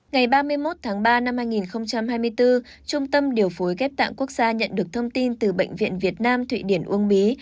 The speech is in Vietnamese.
ngày ba mươi một tháng ba năm hai nghìn hai mươi bốn trung tâm điều phối ghép tạng quốc gia nhận được thông tin từ bệnh viện việt nam thụy điển uông bí